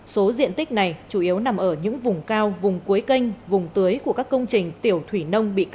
số diện tích này chủ yếu nằm ở những vùng cao vùng cuối kênh vùng tưới của các công trình tiểu thị